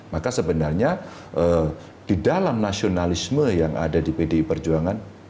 maka sebenarnya di dalam nasionalisme yang ada di pdi perjuangan